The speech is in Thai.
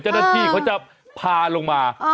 เจ้าหน้าที่เขาจะพาลงมา